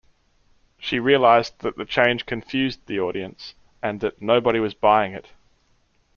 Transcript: She realized that the change confused the audience, and that "nobody was buying it".